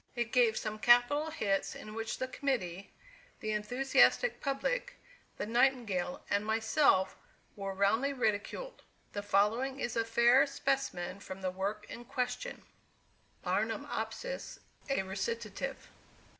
It gave some capital hits in which the committee, the enthusiastic public, the Nightingale, and myself, were roundly ridiculed. The following is a fair specimen from the work in question: BARNUMOPSIS. A RECITATIVE.